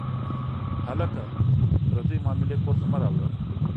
هلکه، پردۍ معاملې کور ته مه راوړه.